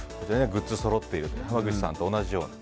グッズがそろっていると濱口さんと同じように。